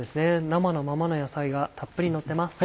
生のままの野菜がたっぷりのってます。